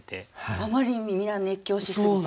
あまりに皆熱狂しすぎて？